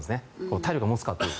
体力が持つかという。